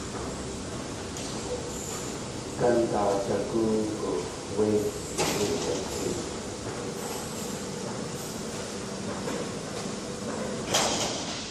Gandaadagóogu wéit wudik̲een.